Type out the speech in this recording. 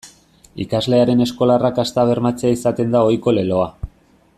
Ikaslearen eskola-arrakasta bermatzea izaten da ohiko leloa.